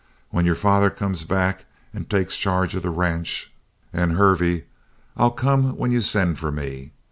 When your father comes back and takes charge of the ranch, and Hervey, I'll come when you send for me.